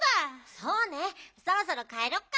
そうねそろそろかえろっか。